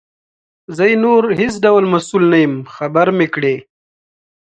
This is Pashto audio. زه یې نور هیڅ ډول مسؤل نه یم خبر مي کړې.